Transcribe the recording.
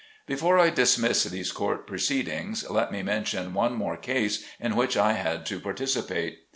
Before I dismiss these court proceedings let me mention one more case in which I had to partici pate.